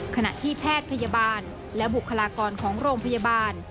ขณะที่แพทย์พยาบาลและบุคลากรของโรงพยาบาล